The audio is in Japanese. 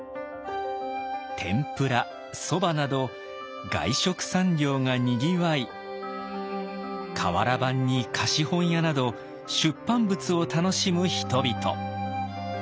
天ぷらそばなど外食産業がにぎわい瓦版に貸本屋など出版物を楽しむ人々。